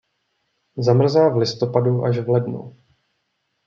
Zamrzá v listopadu až v lednu.